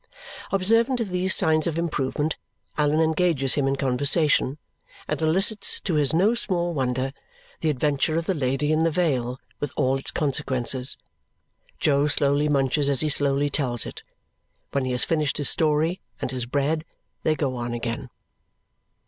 Observant of these signs of improvement, Allan engages him in conversation and elicits to his no small wonder the adventure of the lady in the veil, with all its consequences. Jo slowly munches as he slowly tells it. When he has finished his story and his bread, they go on again.